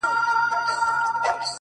بیا خرڅ کړئ شاه شجاع یم پر پردیو ـ